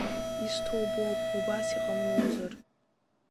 Исҭоубоуп, убас иҟамлозар.